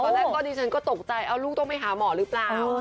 ตอนเนี้ยฉันก็ตกใจลูกต้องไปหาหมอหรือเปล่า